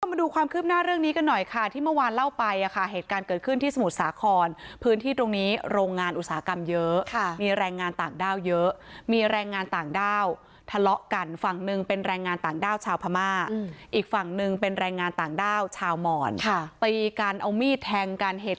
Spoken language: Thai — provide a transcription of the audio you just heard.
มาดูความคืบหน้าเรื่องนี้กันหน่อยค่ะที่เมื่อวานเล่าไปอ่ะค่ะเหตุการณ์เกิดขึ้นที่สมุทรสาครพื้นที่ตรงนี้โรงงานอุตสาหกรรมเยอะค่ะมีแรงงานต่างด้าวเยอะมีแรงงานต่างด้าวทะเลาะกันฝั่งหนึ่งเป็นแรงงานต่างด้าวชาวพม่าอีกฝั่งหนึ่งเป็นแรงงานต่างด้าวชาวหมอนค่ะตีกันเอามีดแทงกันเหตุ